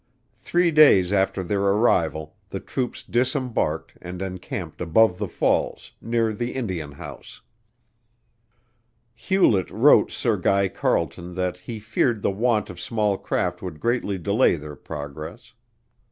Three days after their arrival the troops disembarked and encamped above the Falls, near the Indian House. Hewlett wrote Sir Guy Carleton that he feared the want of small craft would greatly delay their progress.